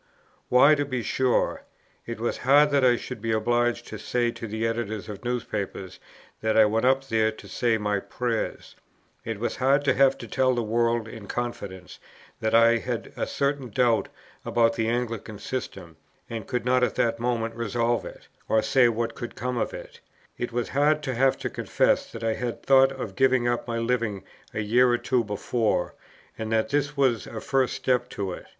Why, to be sure, it was hard that I should be obliged to say to the Editors of newspapers that I went up there to say my prayers; it was hard to have to tell the world in confidence, that I had a certain doubt about the Anglican system, and could not at that moment resolve it, or say what would come of it; it was hard to have to confess that I had thought of giving up my Living a year or two before, and that this was a first step to it.